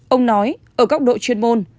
ông nói ở góc độ chuyên môn